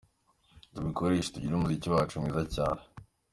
Tubikoreshe, tugire umuziki wacu mwiza cyane.